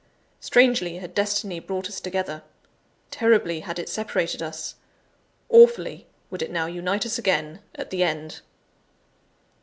Strangely had destiny brought us together terribly had it separated us awfully would it now unite us again, at the end!